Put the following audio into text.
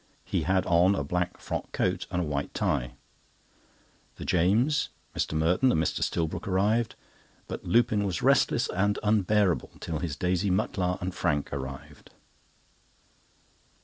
'" He had on a black frock coat and white tie. The James', Mr. Merton, and Mr. Stillbrook arrived, but Lupin was restless and unbearable till his Daisy Mutlar and Frank arrived.